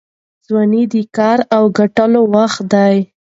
ځواني د کار او ګټلو وخت دی.